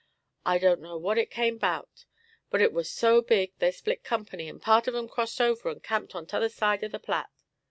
I don't know what it come 'bout, but it war so big, they split company, and part of 'em crossed over and camped on t'other side the Platte.